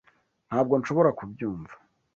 Ntabwo nshobora kubyumva.